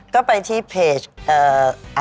ก็ไปที่เพจอัธยุทธ์นั่นแหละค่ะ